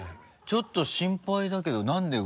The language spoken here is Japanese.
ちょっと心配だけどなんで？